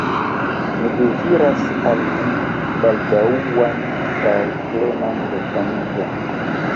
Mi deziras al vi baldaŭan kaj plenan resaniĝon.